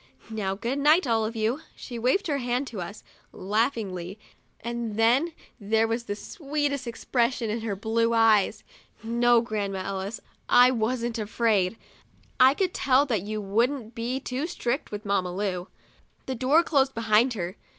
Now, good night, all of you!' She waved her hand to us, laughingly, and then there was the sweetest expression in her blue eyes. No, Grandma Ellis, I wasn't afraid ; I could tell that you wouldn't be too strict with Mamma Lu. The door closed behind her.